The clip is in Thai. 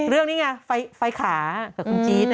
เรื่องนี้ไงไฟขากับคุณจี๊ด